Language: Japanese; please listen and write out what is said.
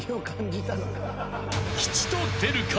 ［吉と出るか？